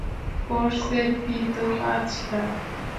কোর্সের ফি তো পাচ লাখ।